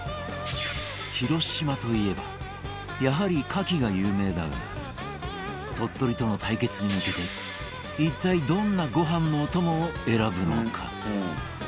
広島といえばやはり牡蠣が有名だが鳥取との対決に向けて一体どんなご飯のお供を選ぶのか？